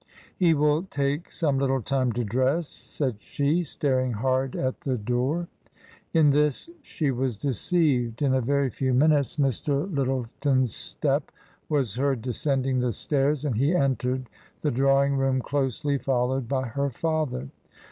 " He will take some little time to dress," said she, staring hard at the door. In this she was deceived. In a very few minutes Mr. Lyttleton's step was heard descending the stairs, and he entered the drawing room closely followed by her father.